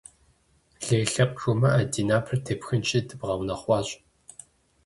Лей лъэпкъ жумыӏэ, ди напэр тепхынщи, дыбгъэунэхъуащ.